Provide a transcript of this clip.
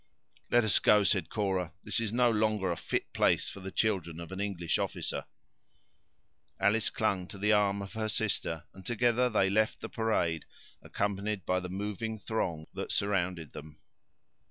"Let us go," said Cora; "this is no longer a fit place for the children of an English officer." Alice clung to the arm of her sister, and together they left the parade, accompanied by the moving throng that surrounded them.